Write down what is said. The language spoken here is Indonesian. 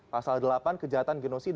pasal delapan kejahatan genosida